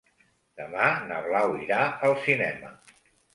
Demà na Blau irà al cinema.